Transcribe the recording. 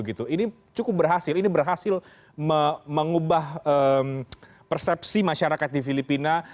ini cukup berhasil ini berhasil mengubah persepsi masyarakat di filipina